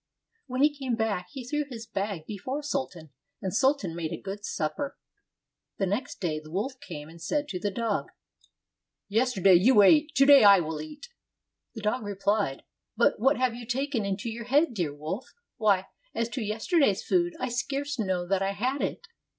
When he came back, he threw his bag before Sultan, and Sultan made a good supper. The next day the wolf came and said to the dog, "Yesterday you ate, to day I will eat." The dog re phed, "But what have you taken into your head, dear wolf ? Why, as to yesterday's food, I scarce know that I had it."